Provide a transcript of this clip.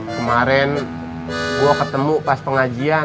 kemarin gue ketemu pas pengajian